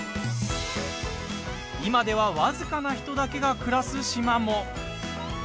今では僅かな人だけが暮らす島も。